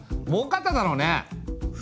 もうかっただろうね！